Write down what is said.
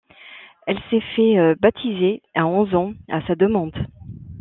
Elle s'est fait baptiser à onze ans, à sa demande.